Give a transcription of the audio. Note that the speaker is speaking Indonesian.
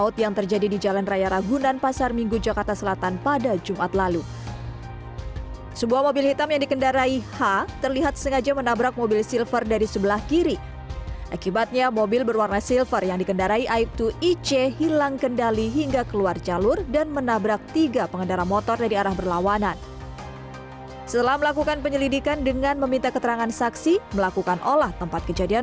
tersangka menetapkan tersangka di lokasi kejadian